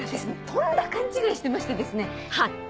とんだ勘違いしてましてですね。